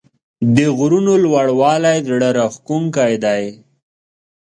د غرونو لوړوالی زړه راښکونکی دی.